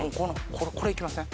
これいきません？